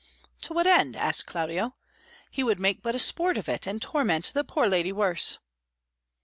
"To what end?" asked Claudio. "He would make but a sport of it, and torment the poor lady worse."